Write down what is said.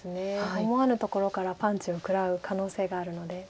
思わぬところからパンチを食らう可能性があるので。